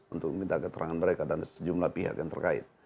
untuk minta keterangan mereka dan sejumlah pihak yang terkait